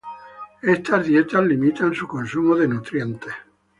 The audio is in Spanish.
estas dietas limitan su consumo de nutrientes